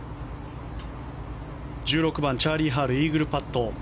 １６番、チャーリー・ハルイーグルパット。